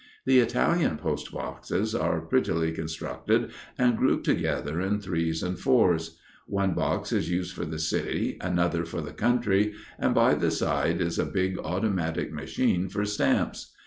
The Italian post boxes are prettily constructed and grouped together in threes and fours. One box is used for the city, another for the country, and by the side is a big automatic machine for stamps.